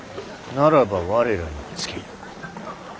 ならば我らにつけ。